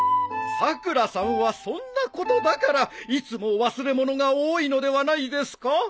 さくらさんはそんなことだからいつも忘れ物が多いのではないですか？